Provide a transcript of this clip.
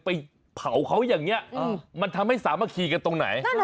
ไปเผาเขาอย่างนี้มันทำให้สามัคคีกันตรงไหน